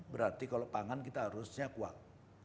berarti kalau pangan kita harusnya kuat